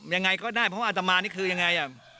ยังไงก็ได้เพราะว่าอาตมานเนี่ยคือยังไงอ่ะ